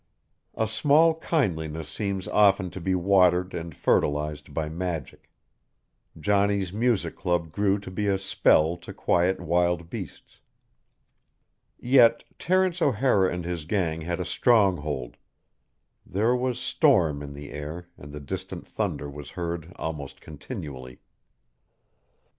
A small kindliness seems often to be watered and fertilized by magic. Johnny's music club grew to be a spell to quiet wild beasts. Yet Terence O'Hara and his gang had a strong hold; there was storm in the air and the distant thunder was heard almost continually.